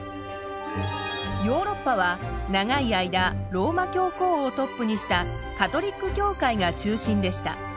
ヨーロッパは長い間ローマ教皇をトップにしたカトリック教会が中心でした。